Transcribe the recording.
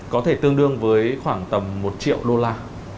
có thể tương đương với khoảng tầm một triệu đô la